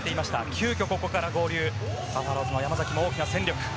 急遽ここから合流バファローズ山崎も戦力。